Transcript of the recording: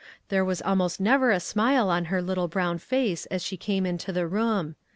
There was almost never a smile on her little brown face when she came into the room.